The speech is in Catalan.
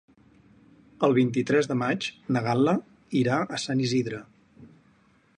El vint-i-tres de maig na Gal·la irà a Sant Isidre.